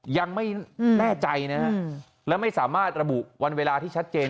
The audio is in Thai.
ยังไม่แน่ใจนะฮะและไม่สามารถระบุวันเวลาที่ชัดเจน